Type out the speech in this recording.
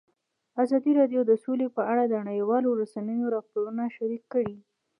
ازادي راډیو د سوله په اړه د نړیوالو رسنیو راپورونه شریک کړي.